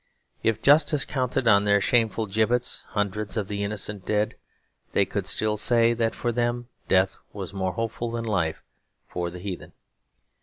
If justice counted on their shameful gibbets hundreds of the innocent dead, they could still say that for them death was more hopeful than life for the heathen.